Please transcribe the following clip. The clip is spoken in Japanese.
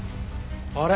あれ？